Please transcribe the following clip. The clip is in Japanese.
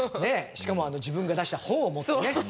しかもあの自分が出した本を持ってね。